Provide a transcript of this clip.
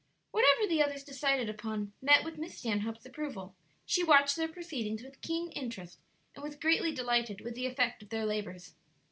Whatever the others decided upon met with Miss Stanhope's approval; she watched their proceedings with keen interest, and was greatly delighted with the effect of their labors.